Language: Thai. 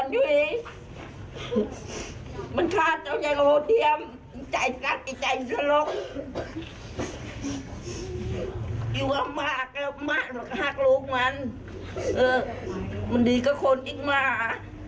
อยู่มากมาหักลูกมันมันดีก็คนอีกมาก